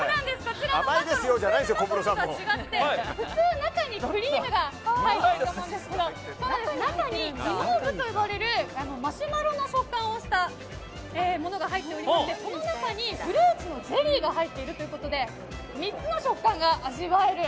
こちらのマカロンは普通のマカロンとは違って普通、中にクリームが入ってると思うんですが中にギモーヴと呼ばれるマシュマロの食感がするものが入っておりましてその中にフルーツのゼリーが入っているということで３つの食感が味わえる。